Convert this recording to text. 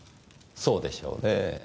そうでしょうねぇ。